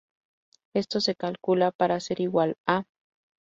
Esto se calcula para ser igual a